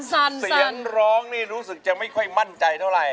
เสียงร้องนี่รู้สึกจะไม่ค่อยมั่นใจเท่าไหร่